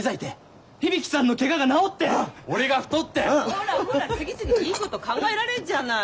ほらほら次々いいこと考えられるじゃない。